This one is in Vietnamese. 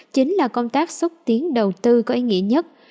chính là công tác xúc tiến đầu tư có ý nghĩa nhất